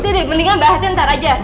tidak mendingan bahasnya ntar aja